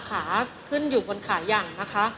ขาขึ้นอยู่บนขายังนะคะ